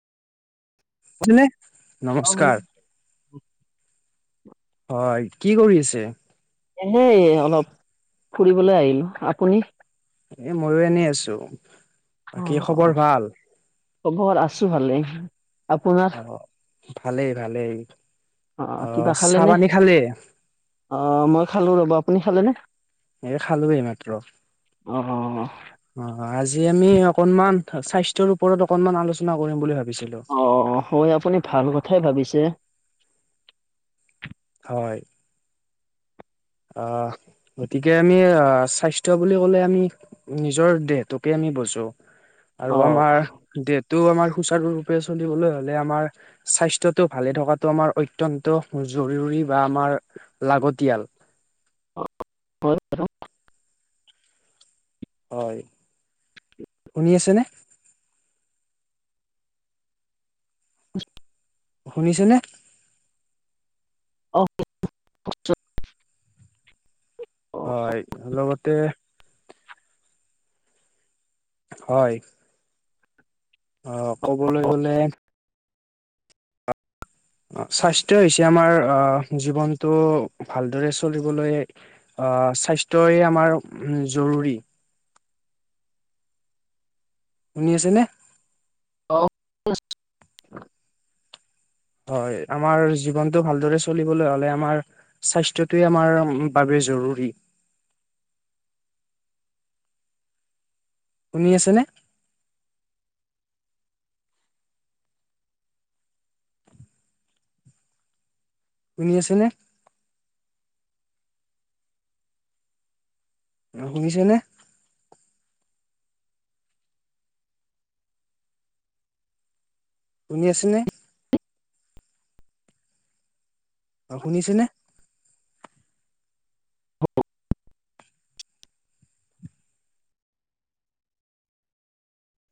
তুমি অ নমস্কাৰ। হয়, কি কৰি আছে? এনেই অলপ, ফুৰিবলৈ আহিলো। আপুনি? এ মইয়ো এনেই আছোঁ। অ', খবৰ আছোঁ ভালেই, আপোনাৰ? অ, ভালেই, ভালেই। অ, চাহপানী খালি? অঁ, মই খালো ৰ'ব, আপুনি খালে নে? এই খালো, এইমাত্ৰ। অঁ, অ আজি আমি অকণমান, স্বাস্থ্যৰ ওপৰত অকণমান, আলোচনা কৰিম বুলি ভাবিছিলো। অ অ হয়, আপুনি ভাল কথাই ভাবিছে। হয়। অ গতিকে, আমি অ স্বাস্থ্য বুলি ক'লে আমি নিজৰ দেহটোকে আমি বজো, আৰু অ আমাৰ দেহটো আমাৰ, সুচাৰুৰূপে চলিবলৈ হ'লে, আমাৰ স্বাস্থ্যটো ভালে থকাটো, আমাৰ অত্যন্ত জৰুৰী বা আমাৰ লাগতিয়াল। [unintelligible] হয়! শুনি আছেনে? [unintelligible] শুনিছেনে? অ'! [unintelligible] হয়, লগতে হয়! অ'! ক'বলৈ গ'লে অ'! স্বাস্থ্যই হৈছে আমাৰ আঁ জীৱনটো ভালদৰে চলিবলৈ অ'! স্বাস্থ্যয় আমাৰ, জৰুৰী। শুনি আছেনে? [unintelligible] হয়! আমাৰ জীৱনটো, ভালদৰে চলিবলৈ হ'লে আমাৰ স্বাস্থ্যটোৱে আমাৰ বাবে জৰুৰী। শুনি আছেনে? শুনি আছেনে? শুনিছেনে? শুনি আছেনে? অ' শুনিছেনে?